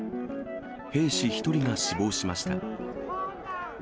兵士１人が死亡しました。